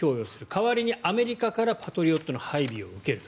代わりにアメリカからパトリオットの配備を受ける。